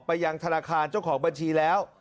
ยังธนาคารเจ้าของบัญชีแล้ว